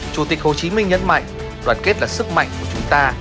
chủ tịch hồ chí minh nhấn mạnh đoàn kết là sức mạnh của chúng ta